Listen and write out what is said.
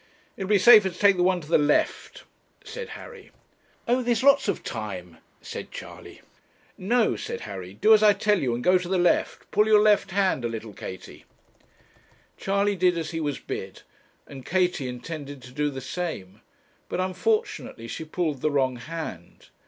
'It will be safer to take the one to the left,' said Harry. 'Oh! there's lots of time,' said Charley. 'No,' said Harry, 'do as I tell you and go to the left. Pull your left hand a little, Katie.' Charley did as he was bid, and Katie intended to do the same; but unfortunately she pulled the wrong hand.